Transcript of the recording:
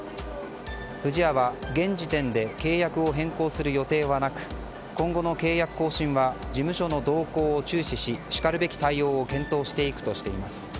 不二家は現時点で契約を変更する予定はなく今後の契約更新は事務所の動向を注視ししかるべき対応を検討していくとしています。